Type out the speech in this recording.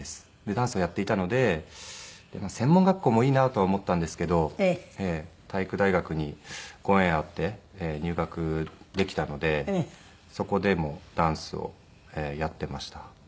ダンスをやっていたので専門学校もいいなとは思ったんですけど体育大学にご縁あって入学できたのでそこでもダンスをやっていました。